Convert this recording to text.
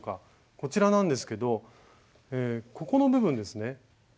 こちらなんですけどここの部分ですね。